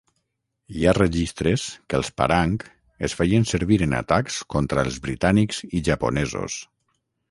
Hi ha registres que els parang es feien servir en atacs contra els britànics i japonesos.